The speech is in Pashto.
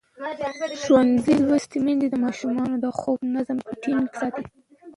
ښوونځې لوستې میندې د ماشومانو د خوب نظم ټینګ ساتي.